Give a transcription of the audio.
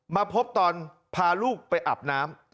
มาพบตอนพาลูกไปอาบน้ำ